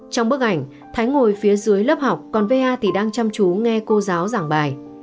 trong bức ảnh thái ngồi phía dưới lớp học còn va thì đang chăm chú nghe cô giáo giảng bài